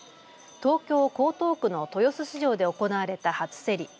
東京、江東区の豊洲市場で行われた初競り。